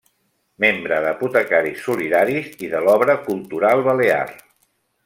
Membre d'Apotecaris Solidaris i de l'Obra Cultural Balear.